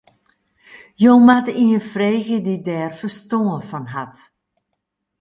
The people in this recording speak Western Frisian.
Jo moatte ien freegje dy't dêr ferstân fan hat.